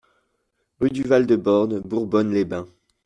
Rue du Val de Borne, Bourbonne-les-Bains